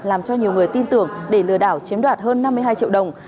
làm cho nhiều người tin tưởng để lừa đảo chiếm đoạt hơn năm mươi hai triệu đồng